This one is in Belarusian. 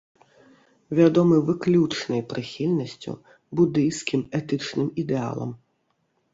Вядомы выключнай прыхільнасцю будыйскім этычным ідэалам.